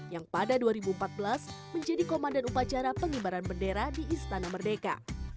yang pada dua ribu empat belas menjadi komandan upacara pengibaran bendera di istana merdeka